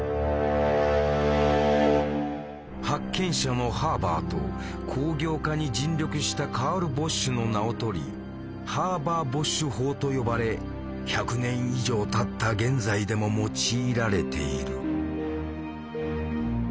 発見者のハーバーと工業化に尽力したカール・ボッシュの名を取り「ハーバー・ボッシュ法」と呼ばれ１００年以上たった現在でも用いられている。